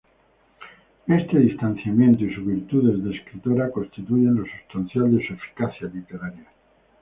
Este distanciamiento, y sus virtudes de escritora, constituyen lo sustancial de su eficacia literaria.